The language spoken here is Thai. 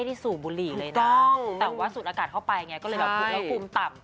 ไม่ได้สูงบุหรี่เลยนะแต่ว่าสูดอากาศเข้าไปไงก็เลยระพุทค์และกุมต่ำ